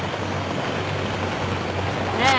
ねえ。